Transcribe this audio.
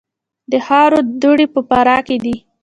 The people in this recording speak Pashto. د خاورو دوړې په فراه کې دي